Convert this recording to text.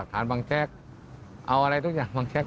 คุณงานเจ้าให้ผมยอมรับวางแจ๊ค